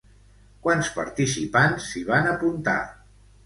Quants participants s'hi van apuntar?